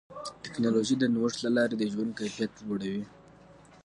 ټکنالوجي د نوښت له لارې د ژوند کیفیت لوړوي.